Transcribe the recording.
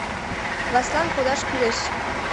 Властьлан кодаш кӱлеш...